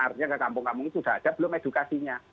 artinya ke kampung kampung itu sudah ada belum edukasinya